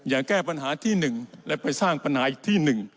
อย่าแก้ปัญหาที่๑และไปสร้างปัญหาอีกที่๑